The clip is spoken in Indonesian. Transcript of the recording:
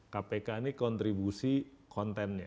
kpk ini kontribusi kontennya